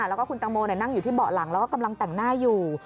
แล้วก็คุณตังโมนั่งอยู่ที่เบาะหลังแล้วก็กำลังแต่งหน้าอยู่